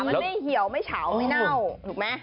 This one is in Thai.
มันไม่เหี่ยวไม่เฉาไม่เน่าถูกไหม